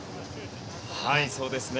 そうですね。